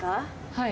はい。